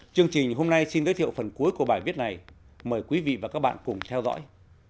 chương trình hôm nay xin giới thiệu phần cuối của bài viết này mời quý vị và các bạn cùng theo dõi